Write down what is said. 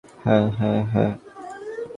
হ্যাঁ হ্যাঁ হ্যাঁ।